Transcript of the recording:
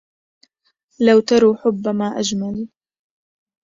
لو تروا حب ما اجمل